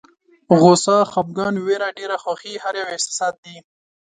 غوسه، خپګان، ویره، ډېره خوښي هر یو احساسات دي.